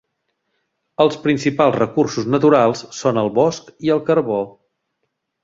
Els principals recursos naturals són el bosc i el carbó.